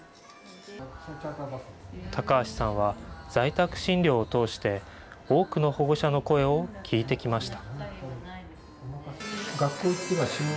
高橋さんは、在宅診療を通して、多くの保護者の声を聞いてきました。